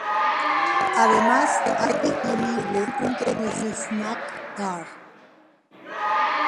Además, hay disponible un pequeño snack bar.